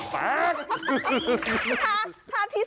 ทาง๓เนี่ย